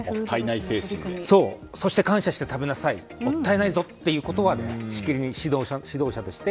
感謝して食べなさいもったいないぞということはしきりに指導者として